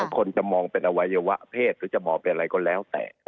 คนจะมองเป็นอวัยวะเพศหรือจะมองเป็นอะไรก็แล้วแต่